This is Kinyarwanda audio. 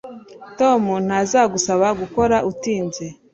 Tom ntazagusaba gukora utinze